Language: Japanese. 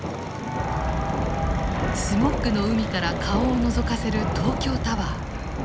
スモッグの海から顔をのぞかせる東京タワー。